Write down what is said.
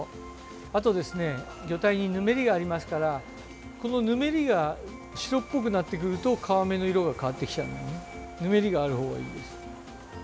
あと魚体にぬめりがありますからこのぬめりが白っぽくなってくると皮目の色が変わってきちゃうのでぬめりがある方がいいです。